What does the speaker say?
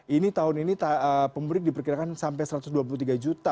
ini tahun ini pemudik diperkirakan sampai satu ratus dua puluh tiga juta